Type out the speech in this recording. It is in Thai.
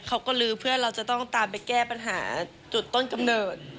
เขาก็ลื้อเพื่อนเราจะต้องตามไปแก้ปัญหาจุดต้นกำเนิด